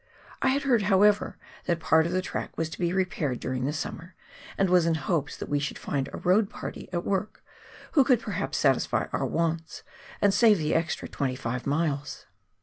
I had heard, however, that part of the track was to be repaired during the summer, and was in hopes that we should find a road party at work, ■who could perhaps satisfy our wants, and save the extra twenty five miles.